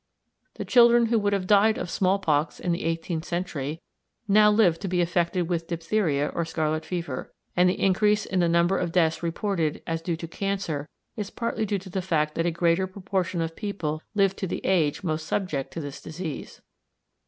The children who would have died of small pox in the eighteenth century now live to be affected with diphtheria or scarlet fever, and the increase in the number of deaths reported as due to cancer is partly due to the fact that a greater proportion of people live to the age most subject to this disease.